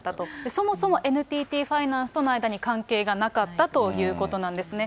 そもそもＮＴＴファイナンスとの間に関係がなかったということなんですね。